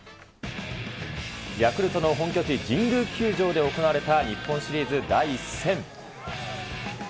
ヤクルトの本拠地、神宮球場で行われた、日本シリーズ第１戦。